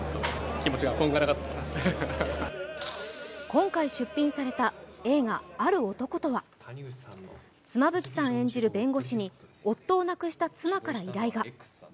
今回、出品された映画「ある男」とは妻夫木さん演じる弁護士に夫を亡くした妻から依頼が。